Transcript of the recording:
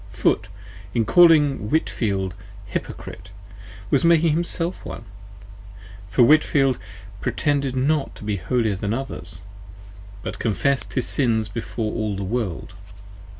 Foote in calling Whitefield, Hypocrite, was himself one: for Whitefield pretended not to be holier than others: but confessed his Sins before all the World.